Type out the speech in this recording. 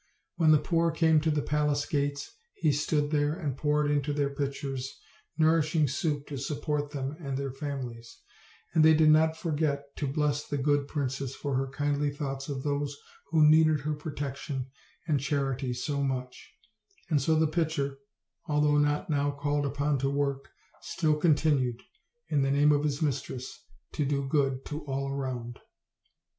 When the poor came to the palace gates he stood there and poured into their pitchers nourishing soup to support them and their families; and they did not forget to bless the good princess for her kindly thoughts of those who needed her protection and charity so much; and so the pitcher, al though now not called upon to work, still continued, in the name of his mistress, to do good to all around.